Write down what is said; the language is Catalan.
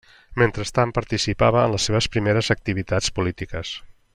Mentrestant, participava en les seves primeres activitats polítiques.